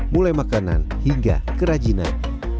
mulai makanan hingga kerajinan